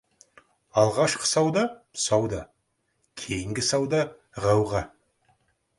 Алғашқы сауда — сауда, кейінгі сауда — ғауға.